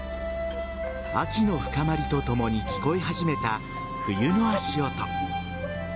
秋の深まりとともに聞こえ始めた冬の足音。